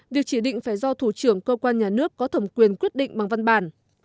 việc chỉ định phải do thủ trưởng cơ quan nhà nước có thẩm quyền quyết định bằng văn bản